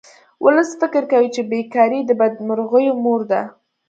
ولس فکر کوي چې بې کاري د بدمرغیو مور ده